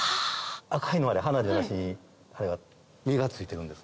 赤いのは花じゃなしに実がついてるんですね。